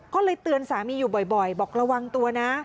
ก็เลยเตือนสามีอยู่บ่อยบอกระวังตัวนะ